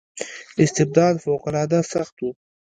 استبداد فوق العاده سخت و.